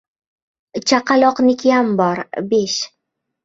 Chaqaloqnikiyam bor — besh!